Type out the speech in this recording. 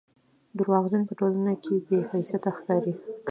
درواغجن په ټولنه کښي بې حيثيته ښکاري